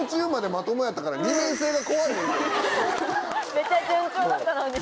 めちゃ順調だったのに。